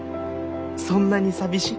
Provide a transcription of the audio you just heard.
そんなに寂しい？